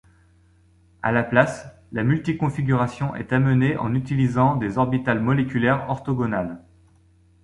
À la place, la multi-configuration est amenée en utilisant des orbitales moléculaires orthogonales.